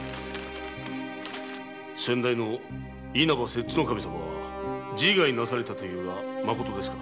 先代の稲葉摂津守様は自害されたと言うが真実ですか？